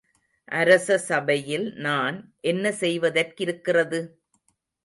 அரச சபையில் நான் என்ன செய்வதற்கிருக்கிறது?